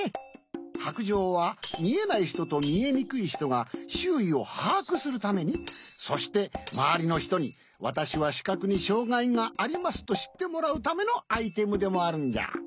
白杖はみえないひととみえにくいひとがしゅういをはあくするためにそしてまわりのひとに「わたしはしかくにしょうがいがあります」としってもらうためのアイテムでもあるんじゃ。